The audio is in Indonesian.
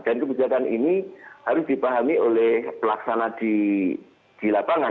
dan kebijakan ini harus dipahami oleh pelaksanaan di lapangan